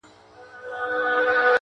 • چي مو ګران افغانستان هنرستان سي,